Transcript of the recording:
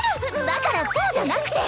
だからそうじゃなくて。